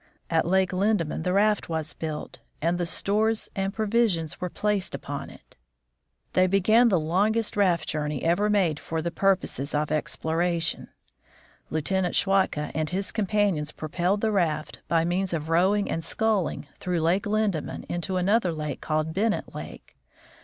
At Lake Lindeman the raft was built, and the stores LIEUTENANT SCHWATKA IN ALASKA 97 and provisions were placed upon it. Then began the longest raft journey ever made for purposes of exploration. Lieutenant Schwatka and his companions propelled the raft, by means of rowing and sculling, through Lake Linde man into another lake called Bennett lake.